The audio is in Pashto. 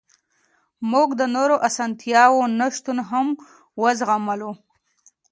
موږ د نورو اسانتیاوو نشتون هم وزغملو